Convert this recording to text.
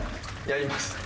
やります。